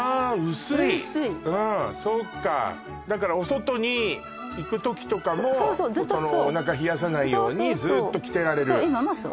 薄いうんそっか薄いだからお外に行く時とかもそうそうおなか冷やさないようにずっと着てられるそう